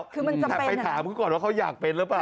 คือมันจำเป็นนะครับมันจำเป็นนะครับไปถามก่อนว่าเขาอยากเป็นหรือเปล่า